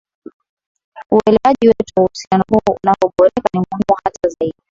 uelewaji wetu wa uhusiano huu unavyoboreka ni muhimu hata zaidi